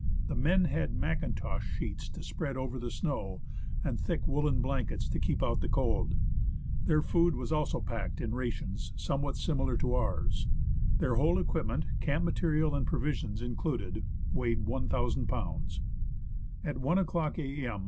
The men had mackintosh sheets to spread over the snow, and thick woollen blankets to keep out the cold. Their food was also packed in rations somewhat similar to ours. Their whole equip ment, camp material and provisions included, weighed 1,000 lbs. At I o'clock a.m.